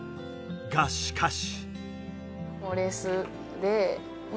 が、しかし。